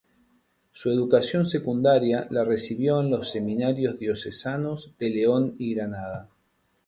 Su educación secundaria la recibió en los Seminarios diocesanos de León y Granada.